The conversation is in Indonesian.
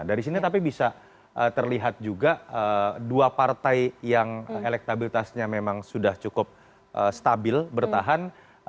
dari sini tapi bisa terlihat juga dua partai yang elektabilitasnya memang sudah cukup stabil bertahan